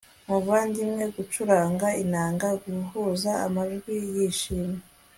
Muvandimwe gucuranga inanga guhuza amajwi yishimye